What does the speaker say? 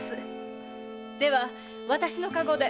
では私の駕籠で。